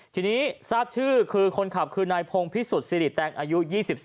ทีนี้ทราบชื่อคือคนขับคือนายพงพิสุทธิสิริแตงอายุ๒๓